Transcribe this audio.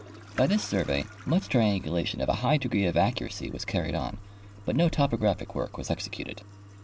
By this survey much triangulation of a high degree of accuracy was carried on, but no topograjDhic work was executed.